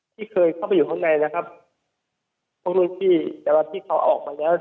ที่เคยเข้าไปอยู่ข้างในนะครับพวกรุ่นพี่แต่ว่าที่เขาออกมาแล้ว